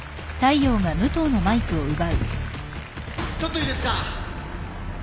ちょっといいですか？